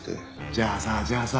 じゃあさじゃあさ